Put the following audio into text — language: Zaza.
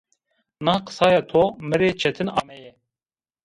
Na qisaya to mi rê çetin ameye